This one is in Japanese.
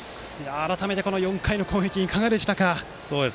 改めて、この４回の攻撃いかがでしたか？